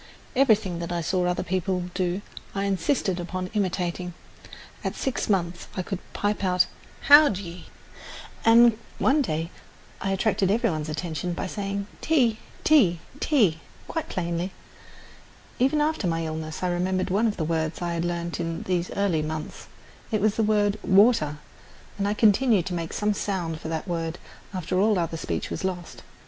Everything that I saw other people do I insisted upon imitating. At six months I could pipe out "How d'ye," and one day I attracted every one's attention by saying "Tea, tea, tea" quite plainly. Even after my illness I remembered one of the words I had learned in these early months. It was the word "water," and I continued to make some sound for that word after all other speech was lost.